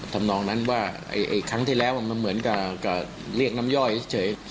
ทำนองนั้นว่าครั้งที่แล้วมันเหมือนกับเรียกน้ำย่อยเฉย